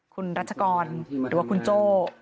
คุณรัชกรหรือว่าคุณโจ้